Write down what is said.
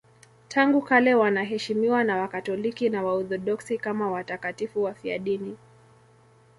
Tangu kale wanaheshimiwa na Wakatoliki na Waorthodoksi kama watakatifu wafiadini.